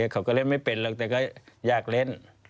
เขาก็เล่นไม่เป็นหรอกแต่ก็อยากเล่น